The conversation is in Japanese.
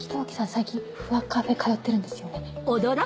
最近ふわカフェ通ってるんですよね？